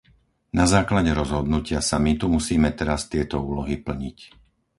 Na základe rozhodnutia samitu musíme teraz tieto úlohy plniť.